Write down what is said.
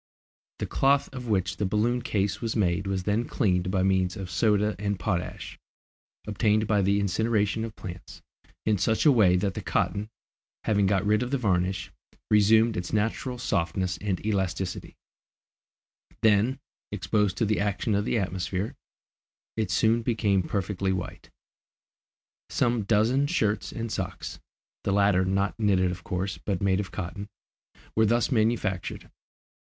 The cloth of which the balloon case was made was then cleaned by means of soda and potash, obtained by the incineration of plants, in such a way that the cotton, having got rid of the varnish, resumed its natural softness and elasticity; then, exposed to the action of the atmosphere, it soon became perfectly white. Some dozen shirts and socks the latter not knitted of course, but made of cotton were thus manufactured.